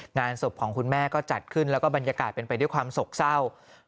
งานศพของคุณแม่ก็จัดขึ้นแล้วก็บรรยากาศเป็นไปด้วยความโศกเศร้า